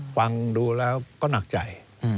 ฟังดูแล้วก็หนักใจ